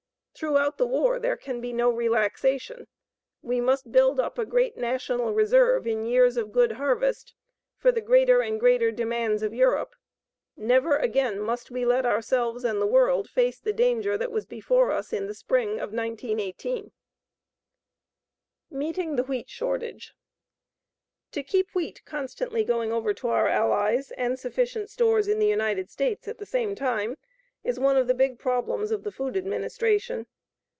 Throughout the war there can be no relaxation. We must build up a great national reserve in years of good harvest for the greater and greater demands of Europe. NEVER AGAIN MUST WE LET OURSELVES AND THE WORLD FACE THE DANGER THAT WAS BEFORE US IN THE SPRING OF 1918. MEETING THE WHEAT SHORTAGE To keep wheat constantly going over to our Allies and sufficient stores in the United States at the same time, is one of the big problems of the Food Administration.